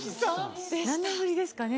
何年ぶりですかね